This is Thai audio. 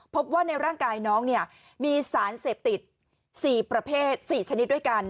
พบว่าในร่างกายน้องเนี่ยมีสารเสพติด๔ประเภท๔ชนิดด้วยกัน